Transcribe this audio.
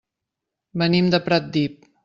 Venim de Pratdip.